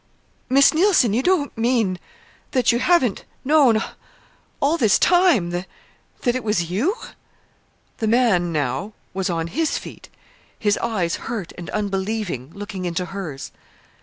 "Miss Neilson, you don't mean that you haven't known all this time that it was you?" The man, now, was on his feet, his eyes hurt and unbelieving, looking into hers.